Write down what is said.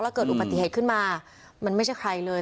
เกิดอุบัติเหตุขึ้นมามันไม่ใช่ใครเลย